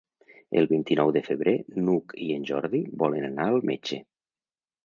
El vint-i-nou de febrer n'Hug i en Jordi volen anar al metge.